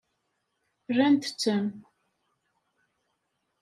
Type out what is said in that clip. Rnant-ten.